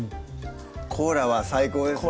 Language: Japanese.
コーラは最高ですね